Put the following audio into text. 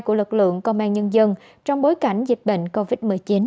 của lực lượng công an nhân dân trong bối cảnh dịch bệnh covid một mươi chín